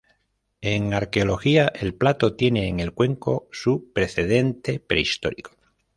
En arqueología, el plato tiene en el cuenco su precedente prehistórico.